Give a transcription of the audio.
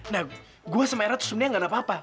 nah gua sama era tuh sebenernya gak ada apa apa